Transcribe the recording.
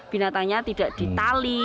binatangnya tidak ditali